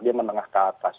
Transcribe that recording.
dia menengah ke atas